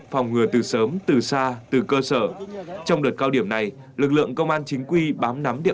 phòng ngừa từ sớm từ xa từ cơ sở trong đợt cao điểm này lực lượng công an chính quy bám nắm địa